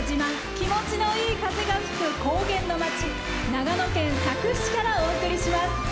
気持ちいい風が吹く高原の町・長野県佐久市からお送りします。